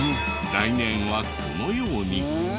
来年はこのように。